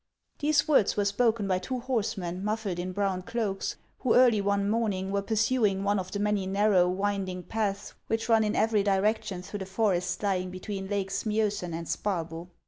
These words were spoken by two horsemen muffled in brown cloaks, who early one morning were pursuing one of the many narrow, winding paths which run in every direction through the forest lying between Lakes Miosen and Sparbo.